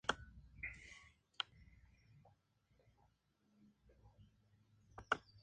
Las partículas más gruesas son las arenas que forman arenales.